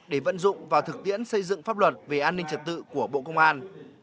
để vận dụng vào thực tiễn xây dựng pháp luật về an ninh trật tự của bộ công an